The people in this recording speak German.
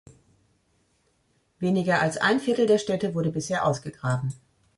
Weniger als ein Viertel der Stätte wurde bisher ausgegraben.